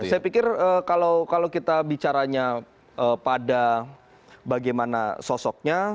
saya pikir kalau kita bicaranya pada bagaimana sosoknya